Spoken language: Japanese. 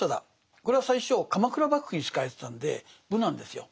これは最初鎌倉幕府に仕えてたんで「武」なんですよ。